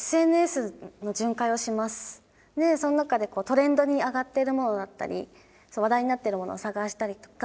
でその中でトレンドにあがっているものだったり話題になってるものを探したりとか。